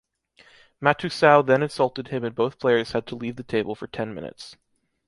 Matusow then insulted him and both players had to leave the table for ten minutes.